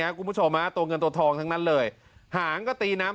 คุณผู้ชมฮะตัวเงินตัวทองทั้งนั้นเลยหางก็ตีน้ำ